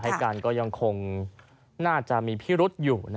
ให้การก็ยังคงน่าจะมีพิรุษอยู่